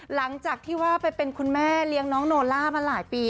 หลังจากที่ว่าไปเป็นคุณแม่เลี้ยงน้องโนล่ามาหลายปี